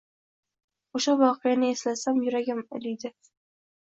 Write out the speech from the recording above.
oʻsha voqeani eslasam, yuragim iliydi.